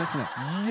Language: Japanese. いや。